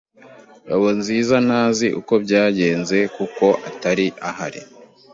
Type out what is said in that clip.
Ngabonziza ntazi uko byagenze kuko atari ahari.